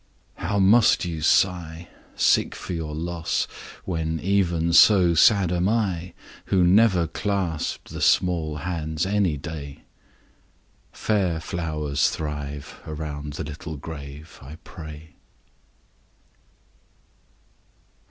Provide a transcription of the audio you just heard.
How must you sigh, Sick for your loss, when even so sad am I, Who never clasp'd the small hands any day! Fair flowers thrive round the little grave, I pray.